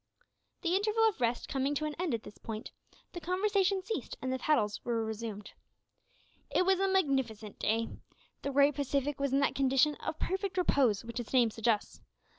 The interval of rest coming to an end at this point, the conversation ceased and the paddles were resumed. It was a magnificent day. The great Pacific was in that condition of perfect repose which its name suggests.